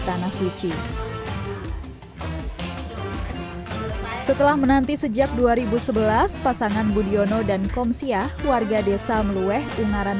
tanah suci setelah menanti sejak dua ribu sebelas pasangan budiono dan komsiah warga desa melueh ungaran